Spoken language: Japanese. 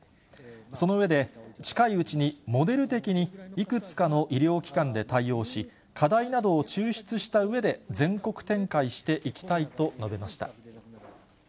その上で、近いうちにモデル的にいくつかの医療機関で対応し、課題などを抽出したうえで全国展開していきたいと述べました。